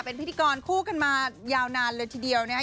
เป็นพิธีกรคู่กันมายาวนานเลยทีเดียวนะครับ